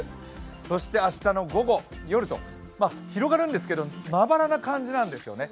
そして明日の午後、夜と、広がるんですけれども、まばらな感じなんですよね。